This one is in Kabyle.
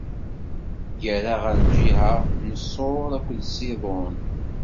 Irra ɣer lǧiha n Ṣur akked Ṣidun.